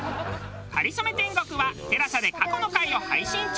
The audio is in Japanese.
『かりそめ天国』はＴＥＬＡＳＡで過去の回を配信中。